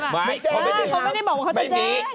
เขาไม่ได้บอกว่าเขาจะแจ้ง